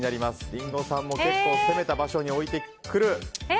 リンゴさんも結構攻めた場所に置いてくる。